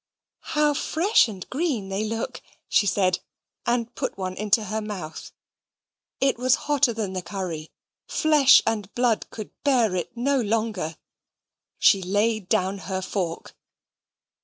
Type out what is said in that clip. "How fresh and green they look," she said, and put one into her mouth. It was hotter than the curry; flesh and blood could bear it no longer. She laid down her fork.